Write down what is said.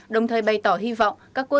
đồng thời bày tỏ hy vọng các cố giải